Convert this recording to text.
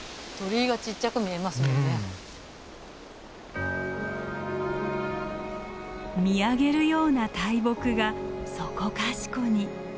見上げるような大木がそこかしこに。